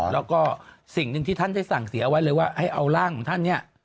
แล้วก็สิ่งหนึ่งที่ท่านได้สั่งเสียเอาไว้เลยว่าให้เอาร่างของท่านเนี่ย